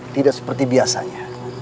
tidak seperti biasanya